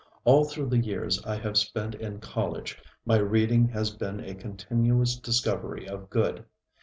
All through the years I have spent in college, my reading has been a continuous discovery of good.